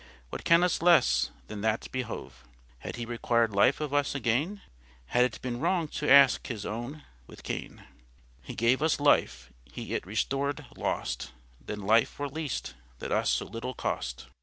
what can us lesse than that behove? Had He required life of us againe, Had it beene wrong to ask His owne with gaine? He gave us life, He it restored lost; Then life were least, that us so little cost.